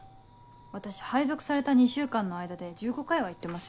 私配属された２週間の間で１５回は行ってますよ。